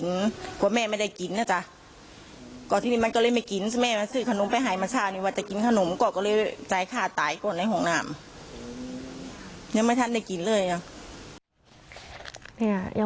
ยังไม่ทันได้กินเลยอ่ะ